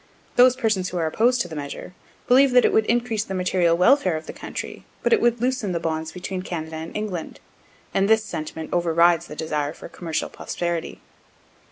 Those persons who are opposed to the measure believe that it would increase the material welfare or the country, but it would loosen the bonds between Canada and England; and this sentiment overrides the desire for commercial prosperity.